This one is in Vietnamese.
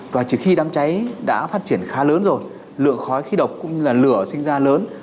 và chỉ khi đám cháy đã phát triển khá lớn rồi lượng khói khí độc cũng như là lửa sinh ra lớn